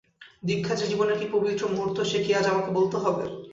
দীক্ষা যে জীবনের কী পবিত্র মুহূর্ত সে কি আজ আমাকে বলতে হবে!